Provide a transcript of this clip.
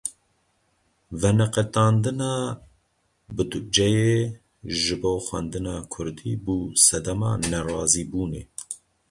Veneqetandina budceyê ji bo xwendina kurdî bû sedema nerazîbûnê.